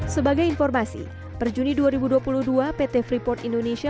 sebagai informasi per juni dua ribu dua puluh dua pt freeport indonesia